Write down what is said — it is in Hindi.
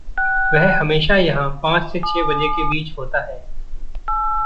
वह हमेशा यहाँ पाँच से छः बजे के बीच होता है।